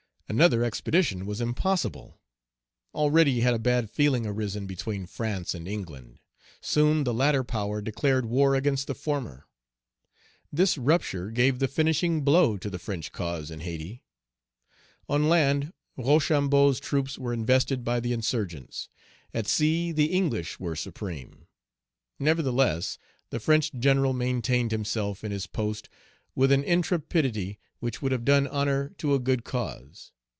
Another expedition was impossible. Already had a bad feeling arisen between France and England. Soon the latter power declared war against the former. This rupture gave the finishing blow to the French cause in Hayti. On land, Rochambeau's troops were invested by the insurgents. At sea the English were supreme. Nevertheless, the French general maintained himself in his post with an intrepidity which would have done honor to a good cause.